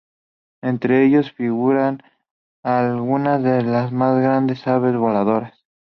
Entre ellos figuran algunas de las más grandes aves voladoras.